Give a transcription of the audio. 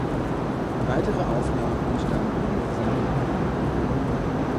Weitere Aufnahmen entstanden in San Diego.